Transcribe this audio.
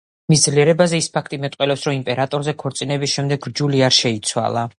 მის ძლიერებაზე ის ფაქტი მეტყველებს, რომ იმპერატორზე ქორწინების შემდეგ რჯული არ შეიცვალა.